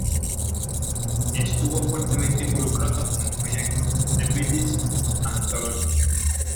Estuvo fuertemente involucrado con el proyecto "The Beatles Anthology".